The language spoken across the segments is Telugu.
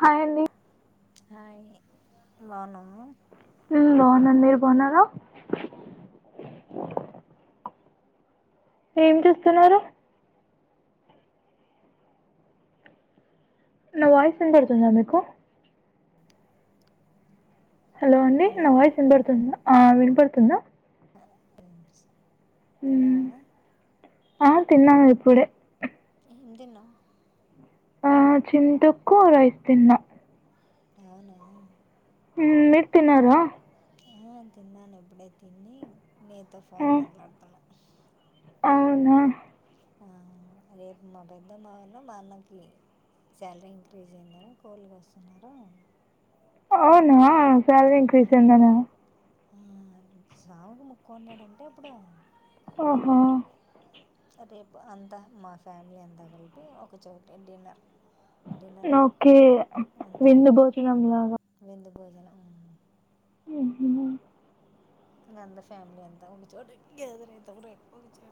హాయ్ అండి హాయ్ అండి బాగున్నారా హ్మ్ బాగున్నా మీరు బాగున్నారా ఏం చేస్తున్నారు నా వయిస్ వినపడుతుంద మీకు హలో అండి నా వాయిస్ వినపడుతుంద ఆ వినపడుతుందా మ్మ్. తన్నావా ఆ తిన్నాను ఇప్పుడే ఏం తిన్నావ్ ఆ చింతొక్కు తిన్న అవునా మీరు తిన్నారా ఆ తిన్నాను ఇప్పుడే తిని నీతో ఆ, ఫోన్ మాట్లాడుతున్నా అవునా ఆ రేపు మా పెద్దమ్మవన్న మా అన్నకి. శాలరీ ఇంక్రీజ్ అయిందని కోళ్లు కోస్తున్నారు. అవునా సాలరి ఇంక్రీస్ అయిందన్న. [unintelligible] ఆ హా రేపు అంతా మా ఫ్యామిలీ అంతా కలిపి ఒకచోట డిన్నర్. డిన్నర్ అంట ఓకే, అంతా విందు భోజనం ఉమ్, లాగా. [unintelligible] [unintelligible] ఇక అందరు ఫ్యామిలీ అంతా ఒక చోట గ్యాదర్ రేపటి నుంచి లే.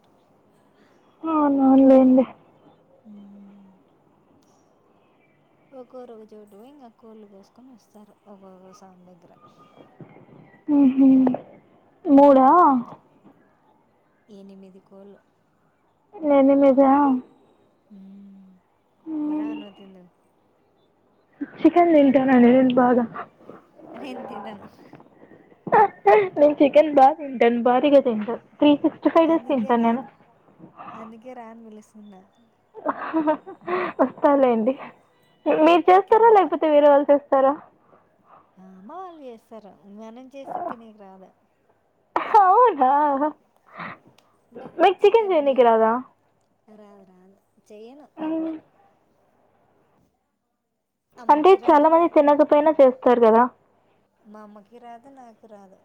[unintelligible] అవును అవును లేండి. [unintelligible] ఒక్కొరు ఒక చోటు ఇగ కోళ్ళు కోసుకొని వస్తారు. ఒక్కొక్కో స్వామి దగ్గర. హ్మ్ హూ మూడ. ఎనిమిది కోళ్ళు. ఎ నిమిదా. హ్మ్ బారా నువ్వు తిందు వు. చికెన్ తింటనా నేను బాగా. నేను తినను నేను చికెన్ బాగా తింటాను. భారీగా తింటాను. త్రీ సిక్స్టీ ఫైవ్ డేస్ అందుకే తింటాను నేను రాన్ అందుకే రాన్ పిలుస్తున్నా. వస్తలే అండి, మీరు రేపు చికెన్ చేస్తారా ప లేకపోతే వేరే వాళ్ళు చేస్తారు. సర. అమ్మ వాళ్ళు చేస్తారు మనం చేస్తే తిననికి రాదు. అవునా మీకు చికెన్ చేనికి రాదా. రాదు రాదు చెయను ఎప్పుడు. మ్మ్. అంటే అమ్మకి చాలా రాదు నా మంది తినకపోనా చేస్తారు గదా. మా అమ్మకి రాదు. నాకు రాదు.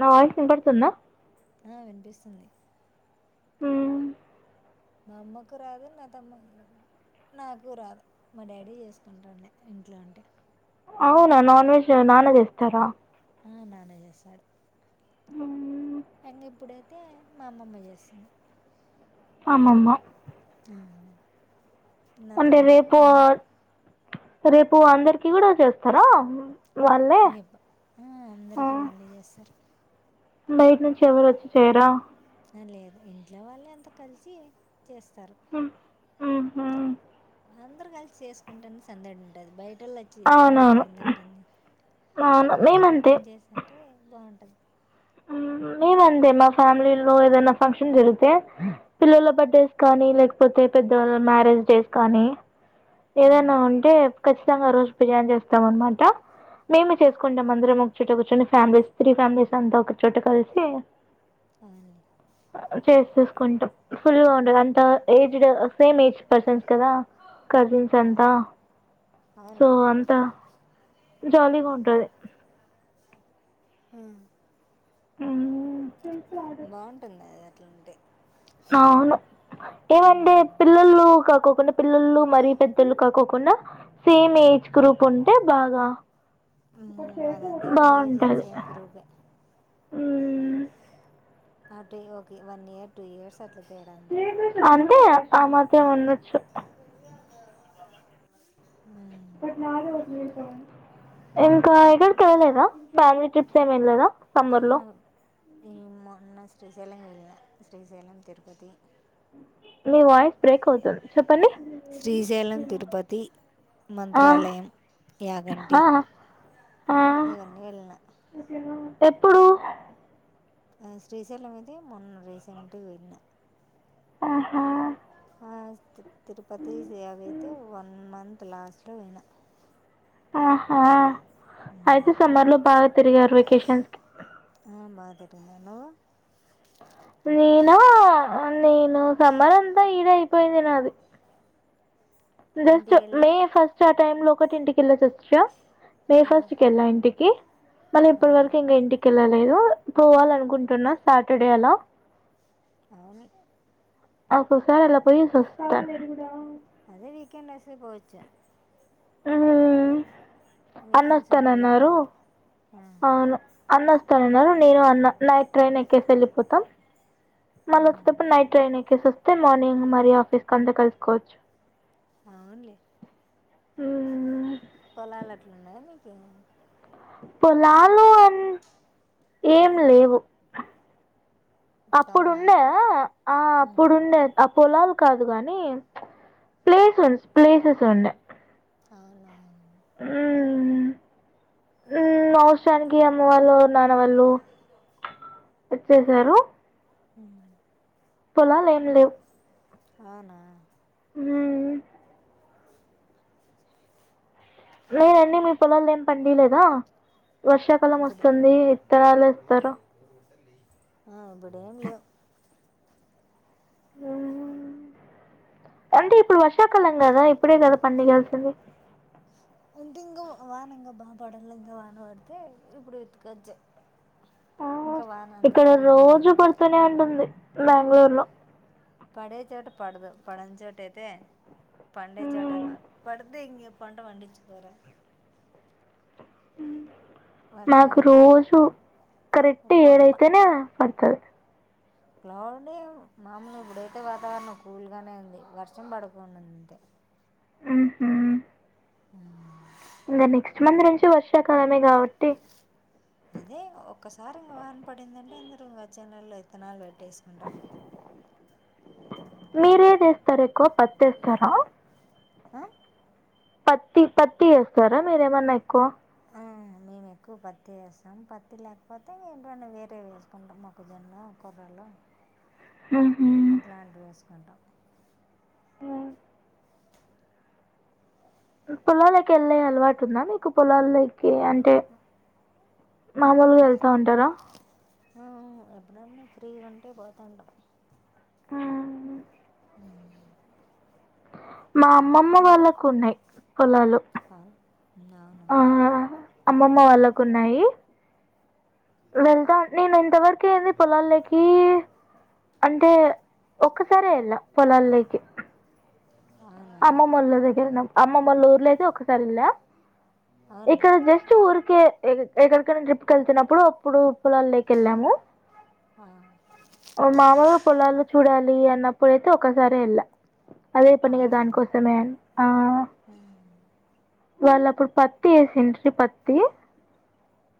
నా వాయిస్ వినపడుతుందా. ఆ వినిపిస్తుంది. హమ్ మా అమ్మకు రాదు నా తమ్మ. నాకు రాదు మా డాడీ చేసుకుంటాడి ఇంట్లో ఉంటే. అవునా నాన్ వెజ్ నాన్న చేస్తారా. ఆ నానే చేస్తాడు, మ్మ్. [unintelligible] ఇప్పుడే. అయితే మా అమ్మమ్మ చేస్తుంది. అమ్మమ్మ. ఆ నా అంటే తమ్ముడు రేపు మా అమ్మమ్మ రేపు అందరికి కూడా చేస్తారా. వాళ్ళే రేపా, ఆ, ఆఅందరికి వాళ్ళే చేస్తారు. బయట నుంచి ఎవరు వచ్చి చేయరా. లేదు ఇంట్లో వాళ్ళ అంతా కలిసి చేస్తారు. హుహు అందరుూ కలిసి చేసుకుంటేనే సందడి ఉంటుది. బయట. బయటోళ్లు వచ్చి చేస్తే మనకి అవునవును ఏంది ఉంటుంది. అవును ఒక్కొక్కరు మేమంతే పని చేస్తా. అంటే బాగుంటుంది. మేము అంతే మా ఫ్యామిలీలో ఏదైనా ఫంక్షన్ జరిగితే పిల్లల బర్త్డేస్ కానీ లేకపోతే. అతే పెద్దవాళ్ళ మ్యారేజ్ డేస్, కానీ ఏదైనా ఉమ్, ఉంటే. ఖచ్చితంగా రోజు బిర్యానీ చేస్తాం అనమాట. మేము చేసుకుంటాం అందరం ఒకచోట కూర్చొని. ఫ్యామిలీస్ త్రీ ఫ్యామిలీస్ అంతా ఒక చోట కలిసి. అవునులే చేసిసుకుంటాం ఫుల్గా ఉండదు అంత. ఏజడ్ సేమ్ ఏజ్ పర్సన్స్ కదా. కజిన్స్ ఆ, అంటా సో అవునులే అంతా జోలీగా ఉంటది. [inaudible] [inaudible] బావుంటది గదే అట్లున్టే అవును ఏమంటే పిల్లల్లూ కాకో కాకుండా పిల్లల్లు మరీ పెద్దోల్లు కాకోకుండ సేమ్ ఏజ్ గ్రూప్ ఉంటే బాగా మ్మ్, మాదంతా ఒక ఏజ్ బావుంటది సేమ్ గ్రూపే ఉమ్ హ్యాపీగా ఒకి వన్ ఇయర్ టూ ఇయర్స్ అ అంతే ఆ మాత్రం ఉండొచ్చు. [inaudible] [inaudible] ఇంకా ఎక్కడికెళ్లలేదా ఫ్యామిలీ ట్రిప్స్ ఏం ఎల్లలేదా సమ్మర్ లో ఊ మొన్న శ్రీశైలం వెళ్ళం శ్రీశైలం తిరుపతి మీ వాయిస్ బ్రేక్ అవుతుంది చెప్ శ్రీశైలం తిరుపతి ఆ మంత్రాలయం యాగంటి ఆ ఆ ఇవన్ని వెళ్ళిన. ఎప్పుడూ శ్రీశైలం ఇది మొన్న రీసెంటు వెల్లిన. ఆహా తిరుపతి సేవకయితే వన్ మంత్ లాస్ట్లో పోయినా. ఆహా అయితె సమ్మర్ లో బాగా తిరిగారు వెకేషన్స్కి. తిరిగానూ. నేనా నేను సమ్మర్ అంతా ఈదే అయిపోయింది నాది. జస్ట్ ఇంటికి వెళ్ళా మే ఫస్ట్ ఆ టైమ్ లో ఒకటింటికెల్లే సొచ్చిరా. మే ఆ, ఫస్ట్ కెళ్ళా ఇంటికి మళ్ళీ ఆ, ఇప్పటి వరకు ఇంకా ఇంటికెళ్ళల్ లేదూ పోవాలనుకుంటున్నా సాటర్డే అలా. [inaudible] ఒకసారలా పోయేసి ఒస్త. అదే వీకెండేసే పోవచ్చ. వీకెండ్స్ ఉండాలి కదా అన్నొస్తానన్నారు. మీకు ఆ, అవును అన్నొస్తానన్నారు నేను అన్న నైట్ ట్రైన్ ఎక్కేసెళ్ళిపోతాం. ఆ, మళ్లీ ఒచ్చేటప్పుడు నైట్ ట్రైన్ ఎక్కేసొస్తే మార్నింగ్ మరి ఆఫీస్ కంతా కలుసుకోవచ్చు. అవున్లే మ్మ్ పొలాలట్లున్నాయా మీకూ. పొలాలు అన్ [inaudible] ఏం లేవు. అవునా అప్పుడుండే ఆ ఉమ్, అప్పుడుండే. పొలాలు కాదు గానీ ప్లేస్ ఉ ప్లేసెస్ ఉండే. అవునా. ఊ అవసరానికి అమ్మ వాళ్ళు నాన్న వాళ్ళు ఇచ్చేసారు. [inaudible] పొలాలేం లేవ్. అవునా. నేనండి మీ పొలాల్లో ఏం పండిలేదా వర్షాకాలం ఇప్పుడు ఒస్తుందీ విత్తనాలేస్తర. ఆ ఇబుడేం లేవ్. అంటే ఇప్పుడు వర్షాకాలం గదా ఇప్పుడే కదా పండియాల్సింది. అంటే ఇంకా వాన ఇంగా బా పడలా ఇంకా వాన పడితే ఇప్పుడు ఎత్తుకొచ్చు. ఆ ఇక్కడ రోజు లేదు పడుతూనే ఉంటుంది బెంగళూరు లో పడే చోట పడదు పడని చోట అయితే పండే చోట ఏమో మాకు వర్షాలు లేవు రోజు కరెక్ట్ ఏడు రోజు మా అయితేనే పడతది క్లౌడ్ నే మామూలుగా ఇప్పుడైతే వాతావరణం కూల్గానే ఉంది వర్షం పడుకుండాంది అంతే ఉహుమ్ ఆహ ఇంకా నెక్స్ట్ మంత్ నుంచి వర్షాకాలమే కాబట్టి అదే ఒక్కసారి ఇంకా వాన పడిందంటే అందరు ఇక వచ్చే నెలలో విత్తనాలు పెట్టేసుకుంటారు మీరు ఎదేస్తారు ఎక్కువ పత్తి వేస్తారా ఆ పత్తి పత్తి వేస్తారా మీరేమన్నా ఎక్కువ ఉమే మే మే ఎక్కువ పత్తి వేస్తాం పత్తి లేకపోతే ఏంటన్నా వేరేయి వేసుకుంటాం మొక్కజొన్న కొర్రలు మ్మ్హ్మ్. అట్లాంటివి వేసుకుంటాం పొలాలేకి వెళ్ళే అలవాటు ఉందా మీకు పొలాలేకి కే అంటే ఆ! మామూలుగా వెళ్తా వెళ్తాం. ఉంటారా నన్ను ఫ్రీగా ఉంటే పోతా ఉంటాం ఆమ్ మా అమ్మమ్మ నువ్వు? వాళ్ళకు ఉన్నాయి పొలాలు అవును. అవునా? ఆ ఆ అమ్మమ్మ వాళ్ళకు ఉన్నాయి వెళ్తా నేను ఎంతవరకేంది పొలాల్లోకి అంటే ఓ క సారే వేలా పోలాల్లోకి అవునా? అమ్మమ వాళ్ళ దగ్గర అమ్మమ్మ వాళ్ళ ఊర్లో అయితే ఒకసారి వెళ్ళా అవునులే. ఇక్కడ జస్ట్ ఊరికే ఎక్కడికి నేను ట్రిప్ కి వెళ్తున్నప్పుడు అప్పుడు పొలాలు ల్లోకి వెళ్ళాము ఆ! మామలుగా పొలాలు చూడాలి అన్నప్పుడు అయితే ఒకసారి వెళ్ళా అదే పన్ని గా అవునా? దాని కోసమే అని ఆ హ్మ్. వాళ్ళ అప్పుడు పత్తి వేసిండ్రి పత్తి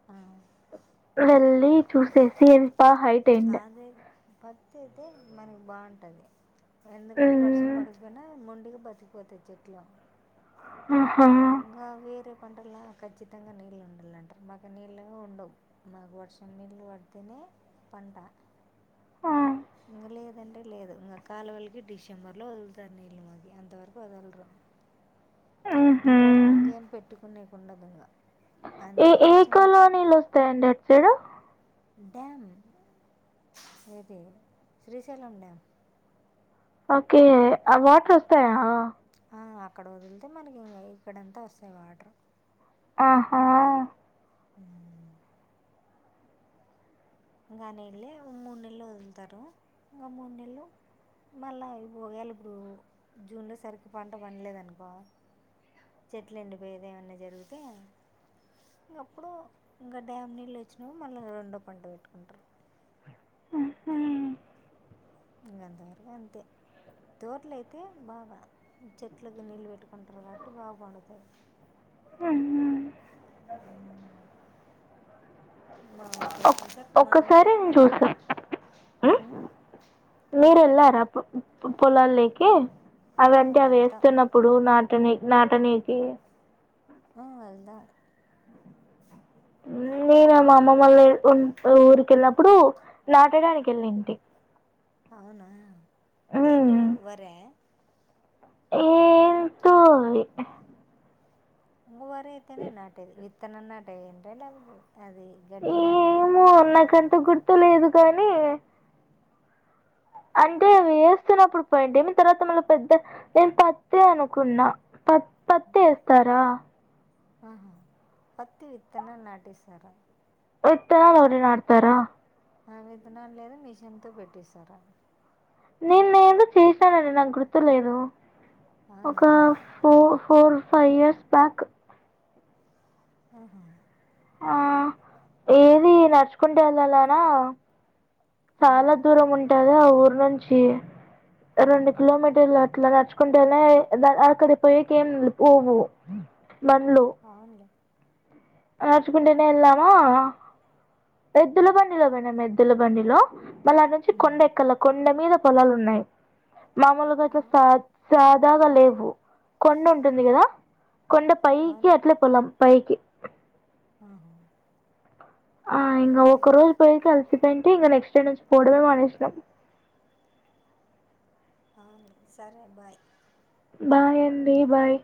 ఆ వెళ్లి చూసేసి ఎంత హైట్ ఎండ్ అదే పత్తి అయితే మనకి బాగుంటుంది ఎందుకంటే వర్షం పడకపోయినా మొండిగా బతికి పోతాయి చెట్లా ఆహా ఇంకా వేరే పంటలా ఖచ్చితంగా నీళ్ళు ఉండాలంటారు మాకు నీళ్ళు ఉండవు మాకు వర్షం నీళ్లు పడితేనే పంట ఆ, ఇంకా లేదంటే లేదు ఇంకా కాలువలికి డిసెంబర్ లో వదులుతారు నీళ్ళు మాకి అంతవరకు వదలరు మ్హూ. అంతవరకు ఇంకేం పెట్టుకునేకు ఉండదుంగా ఏ ఏ కాలువ నీళ్లు వస్తాయండి అటు సైడు డ్యామ్ ఏది శ్రీశైలం డ్యామ్ ఓకే ఆ వాటర్ వస్తాయా అ అక్కడ వదిలితే మనకి ఇక్కడ అంతా వస్తాయి వాటర్ ఆహా అమ్ ఇంకా ఆ నీళ్ళే మూడు నెలు వదులుతారు ఇంకా మూడు నెలు మళ్ళా ఇవి పోగాయల బ్రో ఇప్పుడు జూన్ లో సరిగ్గా పంట పండలేదనుకో చెట్లు ఎండిపోయేది ఏమన్నా జరుగుతే ఇంకప్పుడు ఇంకా డ్యామ్ నీళ్ళు వచ్చినాప్పుడు మళ్ళీ రెండో పంట పెట్టుకుంటారు ఉహుమ్ ఇంగ అంతవరకు అంతే తోటలయితే బాగా చెట్లకి నీళ్ళు పెట్టుకుంటారు కాబట్టి బాగా పండుతాయి హు ఒక్- మామిడితోట్లు ఒక్కసారి నేను మామితోట్లుగానీ ఎ చూస్తాను మీరు ఎల్లార పొలాలు లేకి అవంత వెళ్తాం వేస్తున్నప్పుడు నా నాటనీకి ఆ వెళ్ళ ఉ అన్నీ మా అమ్మమ మళ్ళ ఊరికి వెళ్ళినప్పుడు నాటడానికి వెళ్ళింటి అవునా ఏంటి వార ఏంటో అవి వరి అయితేనే నాటెది విత్తనం నాటికి పోయింటివ లేకపో ఏమో నాకంత గుర్తులేదు కానీ అంటే వేస్తున్నప్పుడు పోయింటి ఏమి తర్వాత మళ్ళ పెద్ద నేను పత్తే అనుకున్నా పత్ పత్ ఎస్తారా ఆహా పత్తి విత్తనలు నాటిస్తార విత్తనాలు ఎవరైన నాటు తర ఆ విత్తన లేదు మిషన్ తో పెట్టిస్తార నేను ఏదో చేశానండి నాకు గుర్తు లేదు ఒక అవునా ఫో ఫోర్ ఫైవ్ ఇయర్స్ బ్యాక్ ఆహా ఆ ఏది నడుచుకుంటు వెళ్ళాలాన చాలా అవునులే దూరం ఉంటది ఆ ఊరు నుంచి ఆ, రెండు కిలోమీటర్ల ఇట్ల నడుచుకుంటేనే అక్కడికి పోయేకి ఏం పోవు బండ్లు అవునులే నచకుంటేనేే ఎల్లామ ఎద్దుల బండిలో పోయినం ఎద్దుల బండిలో మళ్ళీ అటి నుంచి కొండ ఉహు. ఎక్కల కొండ మీద పొలాలు ఉన్నాయి మామూలుగా అట్లా అవు- సా [unintelligible] లేవు కొండ ఉంటుంది కదా కొండ పైకి అట్లే పొలం పైకి అ ఆహ ఆ ఇంగ ఒక రోజు పై కెల్ ఇంకా నెక్స్ట డే నుంచి పోడమే మానేసినం అవును సరే బాయ్ బాయ్ అండి బాయ్